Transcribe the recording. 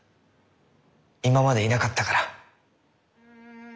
今までいなかったから。